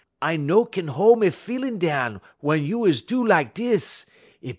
I no kin hol' me feelin' down wun you is do lak dis.